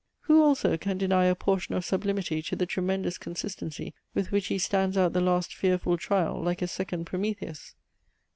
Who also can deny a portion of sublimity to the tremendous consistency with which he stands out the last fearful trial, like a second Prometheus?